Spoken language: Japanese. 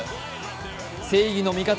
正義の味方